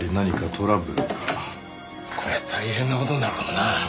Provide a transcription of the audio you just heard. こりゃ大変な事になるかもな。